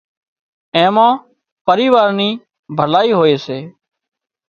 اين مان پريوار نِي ڀلائي هوئي سي